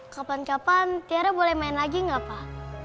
kapan kapan tiara boleh main lagi nggak pak